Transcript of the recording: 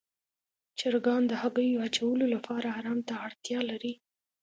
چرګان د هګیو اچولو لپاره آرام ته اړتیا لري.